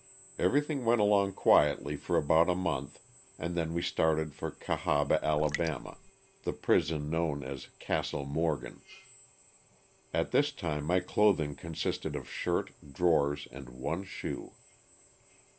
Everything went along quietly for about a month and then we started for Cahaba, Ala., the prison known as *' Castle Morgan." At this time my clothing consisted of shirt, drawers and one shoe.